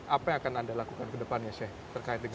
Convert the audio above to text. apa yang akan anda lakukan ke depannya sheikh